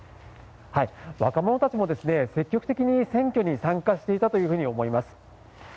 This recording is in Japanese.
若者たちも積極的に選挙に参加していたというふうに思います。